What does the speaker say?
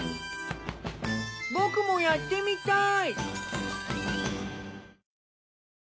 僕もやってみたい！